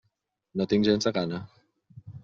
No tinc gens de gana.